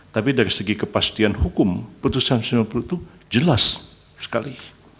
tapi dari segi kepastian hukum putusan sembilan puluh itu jelas sekali